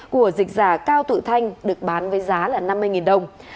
của dịch giả cao tự thanh được bán với giá là năm mươi đồng